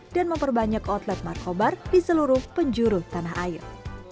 dan memperbanyak outlet markobar di seluruh penjuru tanah air